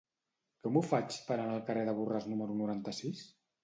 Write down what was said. Com ho faig per anar al carrer de Borràs número noranta-sis?